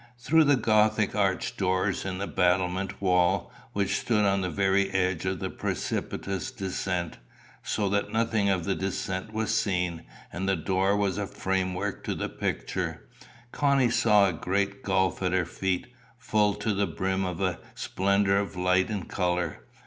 Through the gothic arched door in the battlemented wall, which stood on the very edge of the precipitous descent, so that nothing of the descent was seen, and the door was as a framework to the picture, Connie saw a great gulf at her feet, full to the brim of a splendour of light and colour.